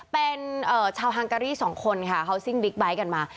เป็นชาวฮังการีสองคนค่ะเขาซิ่งบิ๊กไบท์กันมา